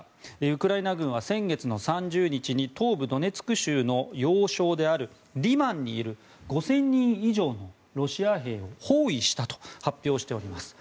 ウクライナ軍は先月３０日に東部ドネツク州の要衝であるリマンにいる５０００人以上のロシア兵を包囲したと発表しております。